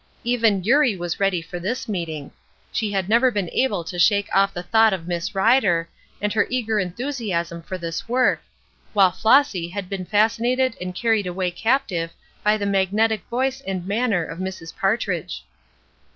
Even Eurie was ready for this meeting. She had never been able to shake off the thought of Miss Rider, and her eager enthusiasm in this work, while Flossy had been fascinated and carried away captive by the magnetic voice and manner of Mrs. Partridge.